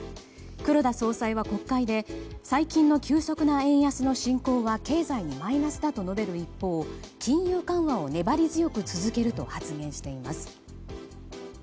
黒田総裁は国会で最近の急速な円安の進行は経済のマイナスだと述べる一方金融緩和を粘り強く続けると発言しています。